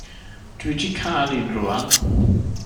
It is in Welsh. Dw i 'di cael un rŵan.